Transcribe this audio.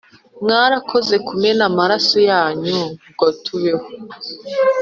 Mwarakoze kumena amaraso yanyu ngo tubeho